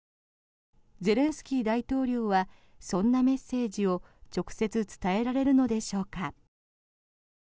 ゼレンスキー大統領はそんなメッセージを直接伝えられるのでしょうか。